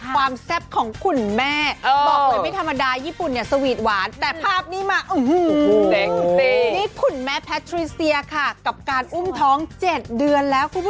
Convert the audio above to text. ความแซ่บของคุณแม่